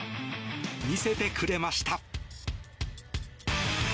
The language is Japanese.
見せてくれました。